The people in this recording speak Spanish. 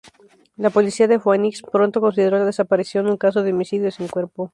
La policía de Phoenix pronto consideró la desaparición un caso de homicidio sin cuerpo.